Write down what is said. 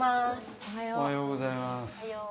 おはようございます。